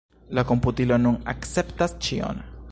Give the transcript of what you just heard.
La komputilo nun akceptas ĉion.